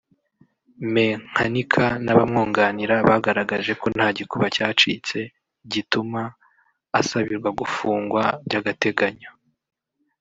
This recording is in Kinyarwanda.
Me Nkanika n’abamwunganira bagaragaje ko nta gikuba cyacitse gituma asabirwa gufungwa by’agategenyo